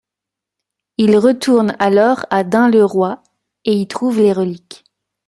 Il retourne alors à Dun-le-Roy et y trouve les reliques.